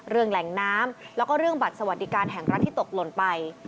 แหล่งน้ำแล้วก็เรื่องบัตรสวัสดิการแห่งรัฐที่ตกหล่นไป